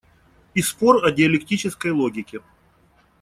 И спор о диалектической логике.